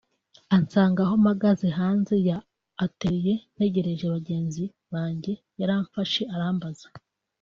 ansanga aho mpagaze hanze ya atelier ntegereje bagenzi banjye yaramfashe arambaza